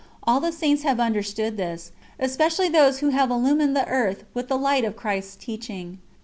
All the Saints have understood this, especially those who have illumined the earth with the light of Christ's teaching.